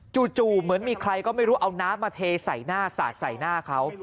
เหมือนมีใครก็ไม่รู้เอาน้ำมาเทใส่หน้าสาดใส่หน้าเขา